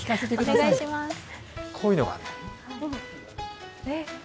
こういうのがあるのよ。